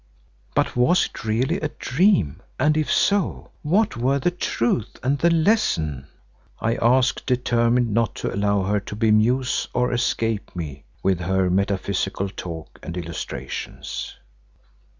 "But was it really a dream, and if so, what were the truth and the lesson?" I asked, determined not to allow her to bemuse or escape me with her metaphysical talk and illustrations.